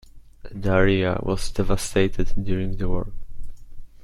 The area was devastated during the war.